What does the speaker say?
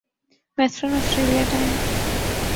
western Australia time